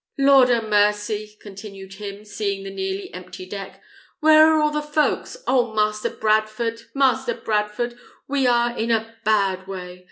"Lord 'a mercy!" continued he, seeing the nearly empty deck. "Where are all the folks? Oh, Master Bradford, Master Bradford! we are in a bad way!